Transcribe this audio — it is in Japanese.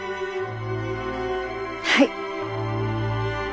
はい！